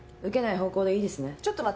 ちょっと待って。